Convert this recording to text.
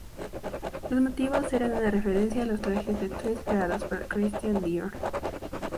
Los motivos eran una referencia a los trajes de tweed creados por Christian Dior.